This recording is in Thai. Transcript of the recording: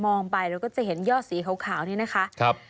ไปเราก็จะเห็นยอดสีขาวนี่นะคะ